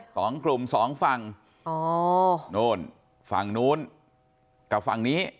๒กลุ่ม๒ฝั่งโน้นฝั่งนู้นกับฝั่งนี้